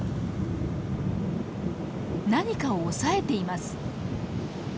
何かを押さえています。